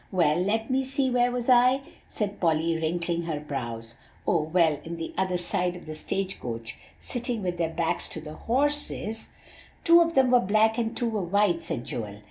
"Well, let me see where was I?" said Polly, wrinkling her brows. "Oh! well, in the other side of the stage coach, sitting with their backs to the horses" "Two of them were black and two were white," said Joel.